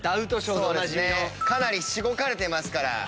かなりしごかれてますから。